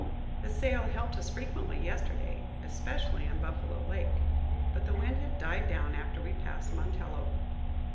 The sail helped us frequently yesterday, especially in Buffalo Lake, but the wind had died down after we passed Montello.